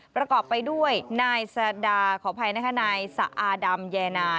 ประกอบไปด้วยนายสดาขออภัยนะคะนายสะอาดำแยนา